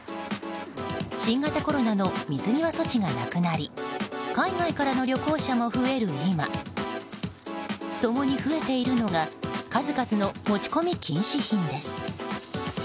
新型コロナの水際措置がなくなり海外からの旅行者も増える今共に増えているのが数々の持ち込み禁止品です。